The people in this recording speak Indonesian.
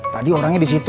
tadi orangnya disitu